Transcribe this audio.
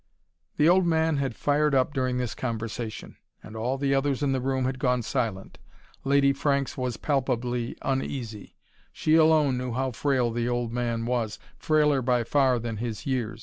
The old man had fired up during this conversation and all the others in the room had gone silent. Lady Franks was palpably uneasy. She alone knew how frail the old man was frailer by far than his years.